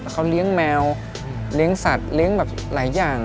เขาเลี้ยงแมวเลี้ยงสัตว์เลี้ยงแบบหลายอย่าง